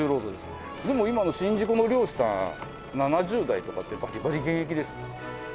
でも今の宍道湖の漁師さん７０代とかでバリバリ現役です。